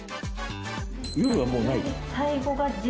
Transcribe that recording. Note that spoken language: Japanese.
夜はもうない？